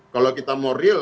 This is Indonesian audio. kalau kita mau real